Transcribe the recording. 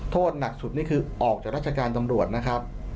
โทษหนักสุดนี่คือออกจากราชการตำรวจนะครับ